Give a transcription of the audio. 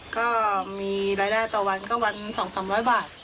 ก็มีรายได้ต่อวันก็วัน๒๓๐๐บาท